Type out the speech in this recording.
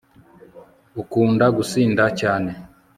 ukunda gusinda cyane